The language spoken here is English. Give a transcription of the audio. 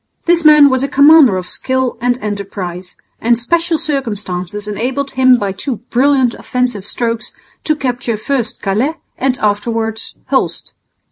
This man was a commander of skill and enterprise, and special circumstances enabled him by two brilliant offensive strokes to capture first Calais and afterwards Hulst.